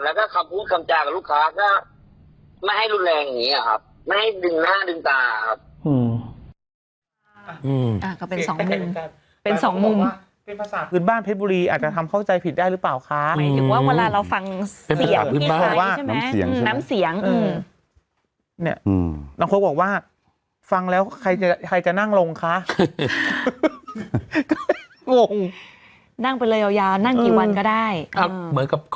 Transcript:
แล้วก็คำพูดคำจากกับลูกค้าก็ไม่ให้รุนแรงอย่างนี้ครับ